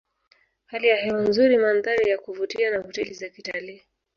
Hali ya hewa nzuri mandhari ya kuvutia na hoteli za kitalii